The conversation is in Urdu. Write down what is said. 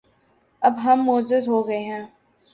اب ہم معزز ہو گئے ہیں